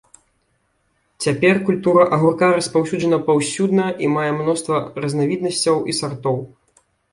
Цяпер культура агурка распаўсюджана паўсюдна і мае мноства разнавіднасцей і сартоў.